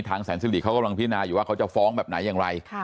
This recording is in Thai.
ตรงนี้ทางแสนสิริเขากำลังพิจารณาอยู่ว่าเขาจะฟ้องแบบไหนอย่างไร